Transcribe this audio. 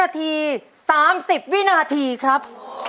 นาที๓๐วินาทีครับ